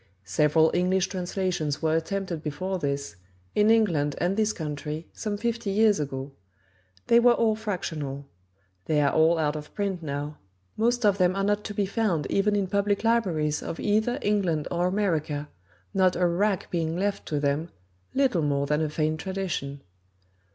Several English translations were attempted before this, in England and this country, some fifty years ago. They were all fractional: they are all out of print now: most of them are not to be found even in public libraries of either England or America, not a wrack being left to them, little more than a faint tradition.